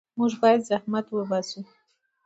موږ باید زحمت وباسو.